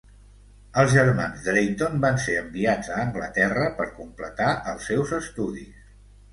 Els germans Drayton van ser enviats a Anglaterra per completar els seus estudis.